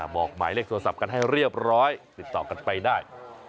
บอกหมายเลขโทรศัพท์กันให้เรียบร้อยติดต่อกันไปได้